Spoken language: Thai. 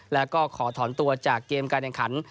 แล้วก็ขอถอนตัวจากเกมการแข่งขัน